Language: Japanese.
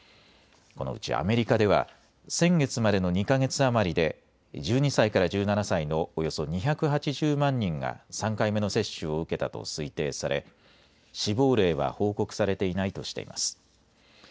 このうち、アメリカでは先月までの２か月余りで１２歳から１７歳のおよそ２８０万人が３回目の接種を受けたと推定され死亡例は報告されていないとしています。